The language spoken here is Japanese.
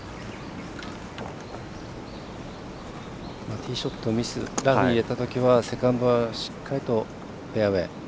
ティーショットラフに入れたときはセカンドはしっかりとフェアウエー。